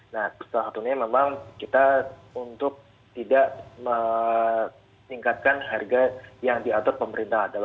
nah salah satunya memang kita untuk tidak meningkatkan harga yang diatur pemerintah